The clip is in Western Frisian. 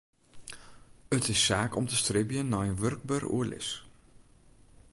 It is saak om te stribjen nei in wurkber oerlis.